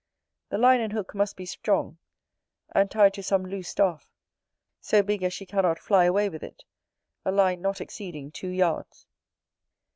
The line and hook must be strong: and tied to some loose staff, so big as she cannot fly away with it: a line not exceeding two yards.